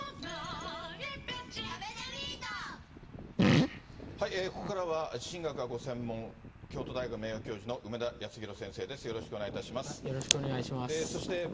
一夜明けた今、ここからは地震学がご専門、京都大学名誉教授の梅田康弘先生です。